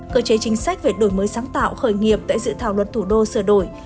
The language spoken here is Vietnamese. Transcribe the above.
cơ chế chính sách về đổi mới sáng tạo khởi nghiệp tại dự thảo luật thủ đô sửa đổi